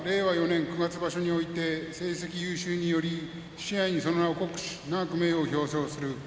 ４年九月場所において成績優秀により賜盃に、その名を刻し永く名誉を表彰する。